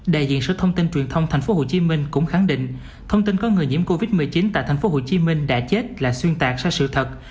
đại diện sở thông tin truyền thông tp hcm cũng khẳng định thông tin có người nhiễm covid một mươi chín tại tp hcm đã chết là xuyên tạc sai sự thật